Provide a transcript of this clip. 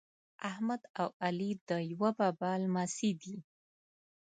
احمد او علي د یوه بابا لمسي دي.